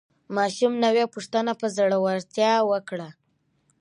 ماشوم نوې پوښتنه په زړورتیا وکړه